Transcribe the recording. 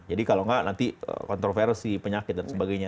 jadi kalau nggak nanti kontroversi penyakit dan sebagainya